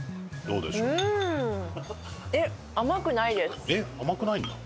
富澤：甘くないんだ！